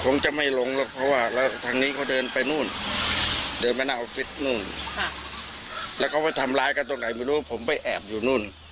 คงจะไม่ลงหรอกเพราะว่าแล้วทางนี้เขาเดินไปนู่นเดินไปหน้าออฟฟิศนู่นแล้วเขาไปทำร้ายกันตรงไหนไม่รู้ผมไปแอบอยู่นู่น